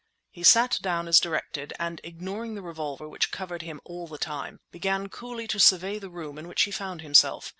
He sat down as directed, and ignoring the revolver which covered him all the time, began coolly to survey the room in which he found himself.